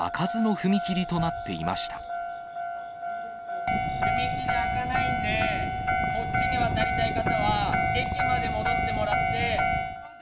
踏切開かないので、こっちに渡りたい方は、駅まで戻ってもらって。